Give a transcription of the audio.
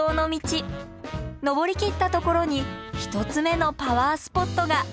登りきったところに１つ目のパワースポットが。